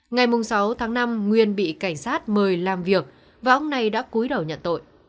ngày sáu tháng năm nguyên bị cảnh sát mời làm việc và ông này đã cuối đầu nhận tội